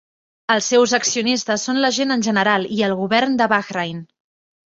Els seus accionistes són la gent en general i el govern de Bahrain.